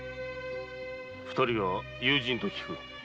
二人は友人と聞く。